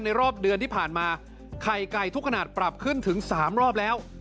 รอบเดือนที่ผ่านมาไข่ไก่ทุกขนาดปรับขึ้นถึง๓รอบแล้ว